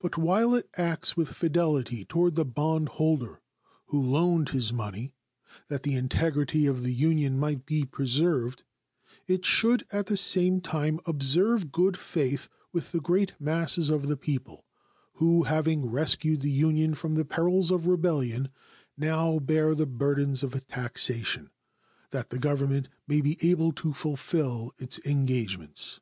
But while it acts with fidelity toward the bondholder who loaned his money that the integrity of the Union might be preserved, it should at the same time observe good faith with the great masses of the people, who, having rescued the Union from the perils of rebellion, now bear the burdens of taxation, that the Government may be able to fulfill its engagements.